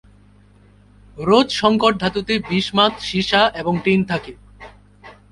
রোজ সংকর ধাতুতে বিসমাথ, সীসা এবং টিন থাকে।